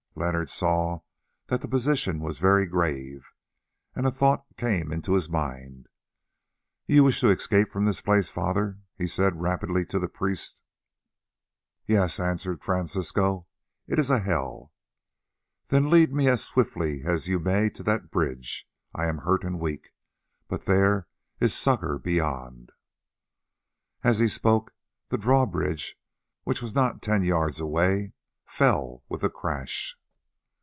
Leonard saw that the position was very grave, and a thought came into his mind. "You wish to escape from this place, Father?" he said rapidly to the priest. "Yes," answered Francisco, "it is a hell." "Then lead me as swiftly as you may to that bridge; I am hurt and weak, but there is succour beyond." As he spoke the drawbridge, which was not ten yards away, fell with a crash.